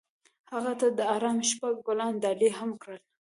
هغه هغې ته د آرام شپه ګلان ډالۍ هم کړل.